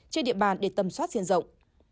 trên địa bàn để tầm soát diện rộng